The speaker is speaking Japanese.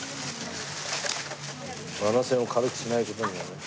バラ銭を軽くしない事にはね。